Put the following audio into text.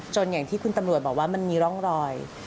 อย่างที่คุณตำรวจบอกว่ามันมีร่องรอย